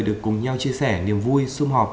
được cùng nhau chia sẻ niềm vui xung họp